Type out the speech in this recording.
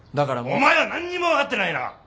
お前は何にも分かってないな！